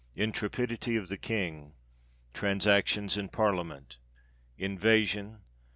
Intrepidity of the King. Transactions in Parliament. Invasion.